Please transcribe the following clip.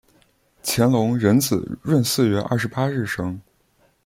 乾隆壬子闰四月二十八日生。